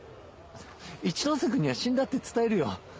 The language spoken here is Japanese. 一ノ瀬君には死んだって伝えるよ。